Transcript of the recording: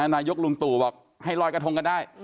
นายกลุงตู่บอกให้ลอยกระทงกันได้